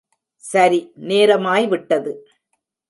சரி, நேரமாய் விட்டது.